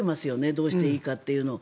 どうしていいかというのを。